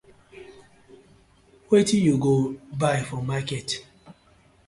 Wetin yu go bai for market.